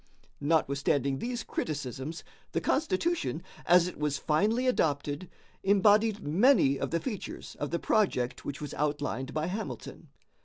Notwithstanding these criticisms, the Constitution, as it was finally adopted, embodied many of the features of the project which was outlined by Hamilton.